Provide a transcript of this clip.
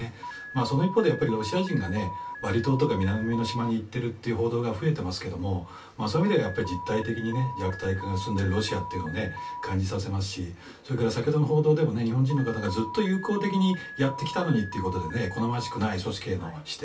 その一方でロシア人がバリ島とか南の島に行っているという報道が増えていますがそういう意味で実体的に弱体化が進んでいるロシアというのを感じさせますしそれから先ほどの報道でも日本人の方がずっと友好的にやってきたのにということで好ましくない組織への指定